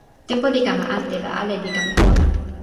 tenpo li kama ante la ale li kama pona.